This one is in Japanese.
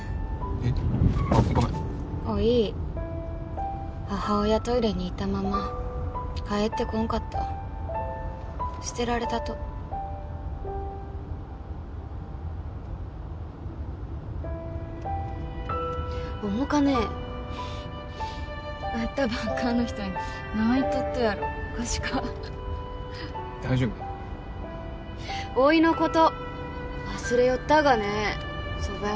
あっごめんおい母親トイレに行ったまま帰ってこんかった捨てられたと重かね会ったばっかの人に何言っとっとやろおかしか大丈夫おいのこと忘れよったがねそば屋